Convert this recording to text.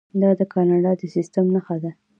دا د کاناډا د سیستم نښه ده.